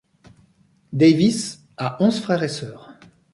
Davis a onze frères et sœurs.